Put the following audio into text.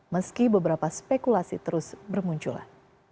meski beberapa spekulasi terus bermunculan